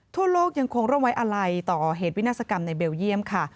ทั่วโลกยังคงร่วมไว้อะไรต่อเหตุวินาศกรรมในเบลเยี่ยมค่ะ